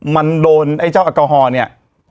มันโดนไอ้เจ้าแอลกอฮอลเนี่ย